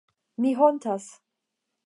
Mi hontas.